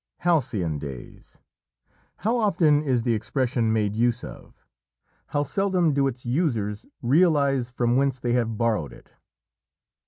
"Halcyon days" how often is the expression made use of, how seldom do its users realise from whence they have borrowed it.